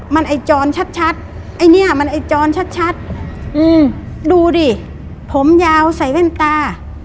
มันไอ้จรชัดชัดไอ้เนี้ยมันไอ้จรชัดชัดอืมดูดิผมยาวใส่แว่นตา